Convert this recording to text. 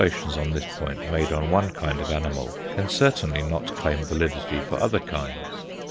Observations on this point made on one kind of animal can certainly not claim validity for other kinds.